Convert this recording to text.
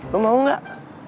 lo mau gak